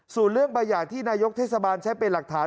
ส่วนเรื่องใบหย่าที่นายกเทศบาลใช้เป็นหลักฐาน